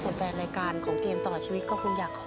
ส่วนแฟนรายการของเกมต่อชีวิตก็คงอยากขอ